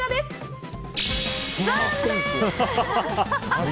残念！